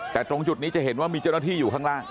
แต่ตรงจุดนี้จะเห็นว่ามีเจ้าหน้าที่อยู่ข้างล่าง